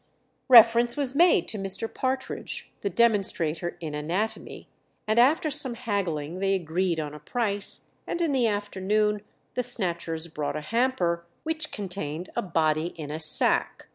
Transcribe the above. Reference was made to Mr. Partridge, the demonstrator in anatomy, and after some haggling they agreed on a price, and in the afternoon the snatchers brought a hamper which contained a body in a sack.